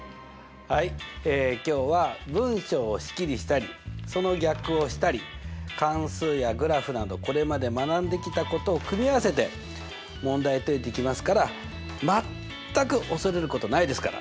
はい今日は文章を式にしたりその逆をしたり関数やグラフなどこれまで学んできたことを組み合わせて問題解いていきますから全く恐れることないですから！